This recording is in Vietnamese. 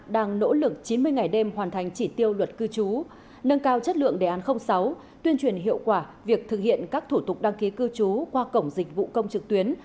đang nỗ lực chín mươi ngày đêm hoàn thành chỉ tiêu luật cư trú nâng cao chất lượng đề án sáu tuyên truyền hiệu quả việc thực hiện các thủ tục đăng ký cư trú qua cổng dịch vụ công trực tuyến